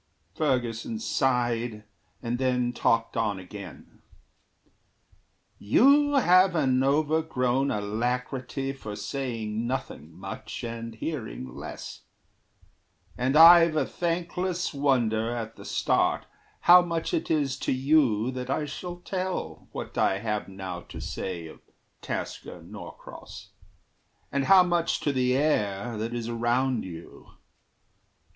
Ferguson sighed, and then talked on again: "You have an overgrown alacrity For saying nothing much and hearing less; And I've a thankless wonder, at the start, How much it is to you that I shall tell What I have now to say of Tasker Norcross, And how much to the air that is around you.